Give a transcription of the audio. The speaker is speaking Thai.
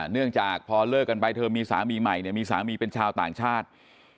เนื่องจากพอเลิกกันไปเธอมีสามีใหม่เนี่ยมีสามีเป็นชาวต่างชาติ